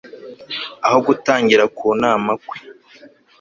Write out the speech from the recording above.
Aho gutangira kunama kwe